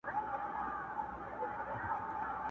ما د ابا ساتلی کور غوښتی!.